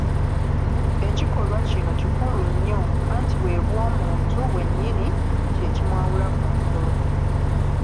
Ekikolwa kino kikulu nnyo, anti bwe Bw'omuntu bwennyini, kye kimwawula ku nsolo.